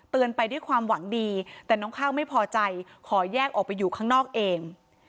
ไปด้วยความหวังดีแต่น้องข้าวไม่พอใจขอแยกออกไปอยู่ข้างนอกเอง